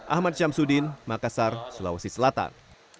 ahmad syamsuddin makassar sulawesi selatan